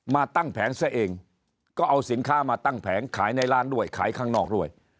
มาตั้งแผงซะเองก็เอาสินค้ามาตั้งแผงขายในร้านด้วยขายข้างนอกด้วย